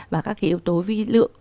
và các cái yếu tố vi lượng